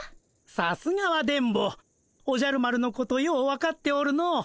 さすがは電ボおじゃる丸のことよう分かっておるの。